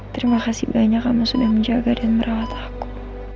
terima kasih banyak kamu sudah menjaga dan merawat aku